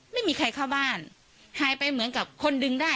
ไม่มีใครเข้าบ้านหายไปเหมือนกับคนดึงได้